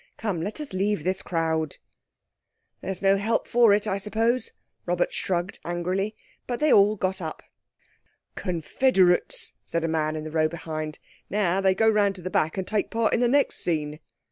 "Come, let us leave this crowd." "There's no help for it, I suppose," Robert shrugged angrily. But they all got up. "Confederates!" said a man in the row behind. "Now they go round to the back and take part in the next scene."